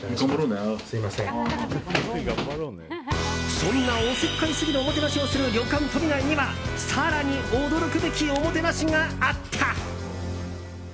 そんなおせっかいすぎるおもてなしをする旅館とびないには更に驚くべきおもてなしがあった。